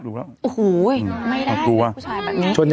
โอ้โหไม่ได้นะผู้ชายแบบนี้